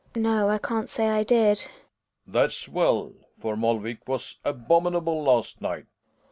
No, I can't say I did. Relling. That's well; for Molvik was abominable last night.